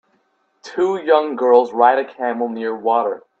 Two young girls ride a camel near water.